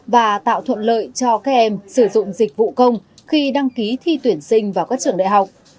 và tạo thuận lợi cho các em sử dụng dịch vụ công khi đăng ký thi tuyển sinh vào các trường đại học